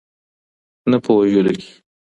نه په وژلو کې.